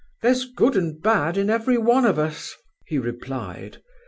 "'There's good and bad in every one of us,' he replied.